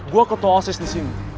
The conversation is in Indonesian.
gue ketuasis disini